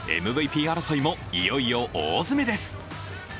ＭＶＰ争いもいよいよ大詰めです。